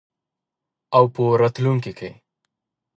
او په راتلونکي کې.